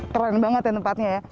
keren banget ya tempatnya ya